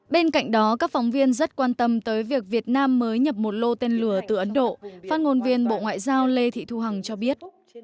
bên cạnh đó các phóng viên rất quan tâm tới việc việt nam mới nhập một lô tên lửa từ ấn độ phát ngôn viên bộ ngoại giao lê thị thu hằng cho biết